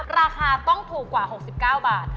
ราคาต้องถูกกว่า๖๙บาท